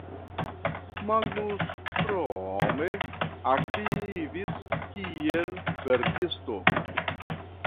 Magnus krome aktivis kiel verkisto.